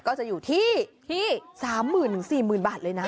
ก็จะอยู่ที่๓๐๐๐๐หรือ๔๐๐๐๐บาทเลยนะ